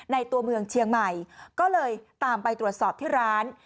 ตัวเมืองเชียงใหม่ก็เลยตามไปตรวจสอบที่ร้าน